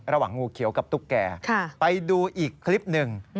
ระหว่างงูเขียวกับตุ๊กแกไปดูอีกคลิปหนึ่ง